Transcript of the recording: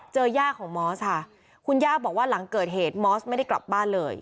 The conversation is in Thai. ย่าของมอสค่ะคุณย่าบอกว่าหลังเกิดเหตุมอสไม่ได้กลับบ้านเลย